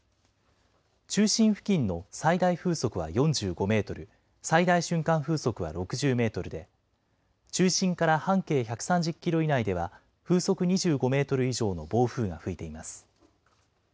中心付近の最大風速は４５メートル、最大瞬間風速は６０メートルで、中心から半径１３０キロ以内では風速２５メートル以上の暴風が吹いています。